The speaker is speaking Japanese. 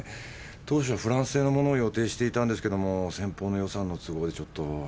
当初フランス製のものを予定していたんですけども先方の予算の都合でちょっと。